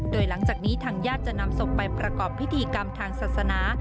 โดยหลังจากนี้ทางญาติจะนำศพไปประกอบพิธีกรรมทางศาสนา